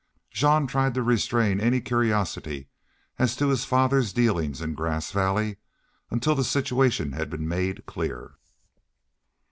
Jean tried to restrain any curiosity as to his father's dealings in Grass Valley until the situation had been made clear.